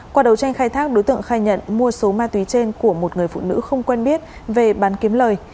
qua đầu tranh khai thác đối tượng khai nhận mua số ma túy trên của một người phụ nữ không quen biết về bán kiếm lời